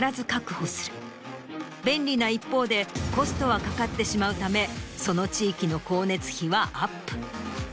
便利な一方でコストはかかってしまうためその地域の光熱費はアップ。